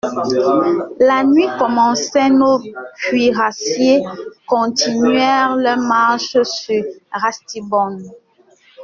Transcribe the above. La nuit commençait ; nos cuirassiers continuèrent leur marche sur Ratisbonne.